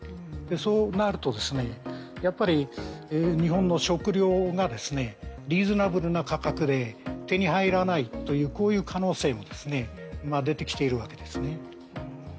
そうなると、やっぱり日本の食料がリーズナブルな価格で手に入らないという可能性が今、出てきているわけですね。